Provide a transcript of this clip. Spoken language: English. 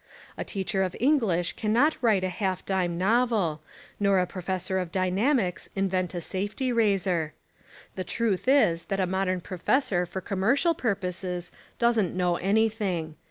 A teacher of English cannot write a half dime novel, nor a professor of dynamics invent a safety razor. The truth is that a modern professor for commercial purposes doesn't know anything.